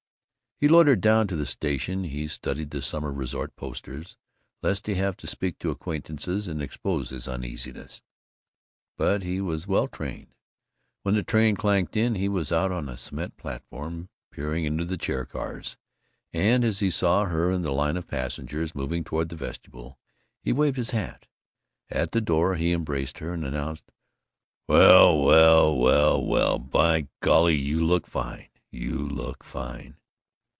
He loitered down to the station; he studied the summer resort posters, lest he have to speak to acquaintances and expose his uneasiness. But he was well trained. When the train clanked in he was out on the cement platform, peering into the chair cars, and as he saw her in the line of passengers moving toward the vestibule he waved his hat. At the door he embraced her, and announced, "Well, well, well, well, by golly, you look fine, you look fine."